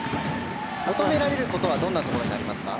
求められることはどんなことになりますか。